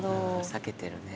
避けてるね。